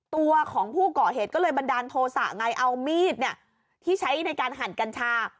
ตัวของผู้ก่อเหตุก็เลยบันดาลโทษะไงเอามีดที่ใช้ในการหั่นกัญชา